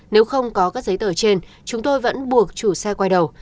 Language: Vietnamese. nếu không có các giấy tờ trên chúng tôi vẫn buộc chủ xe quay đầu